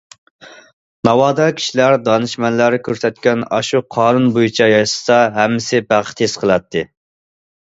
ناۋادا، كىشىلەر دانىشمەنلەر كۆرسەتكەن ئاشۇ قانۇن بويىچە ياشىسا، ھەممىسى بەخت ھېس قىلاتتى.